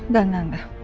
gak gak gak